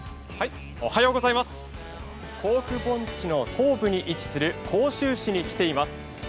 甲府盆地の東部に位置する甲州市に来ています。